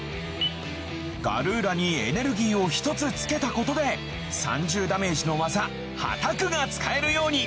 ガルーラにエネルギーを１つつけたことで３０ダメージのワザはたくが使えるように。